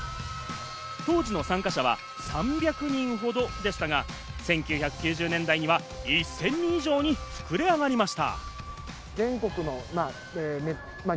当時の参加者は３００人ほどでしたが、１９９０年代には１０００人以上に膨れ上がりました。